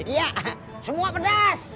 iya semua pedes